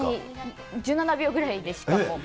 １７秒ぐらいで、しかも。